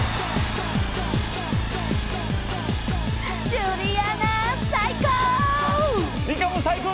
ジュリアナ最高！